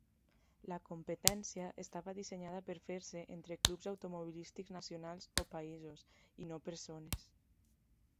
La competència estava dissenyada per fer-se entre clubs automobilístics nacionals, o països, i no persones.